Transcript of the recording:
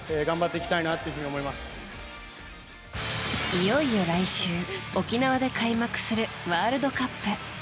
いよいよ来週沖縄で開幕するワールドカップ。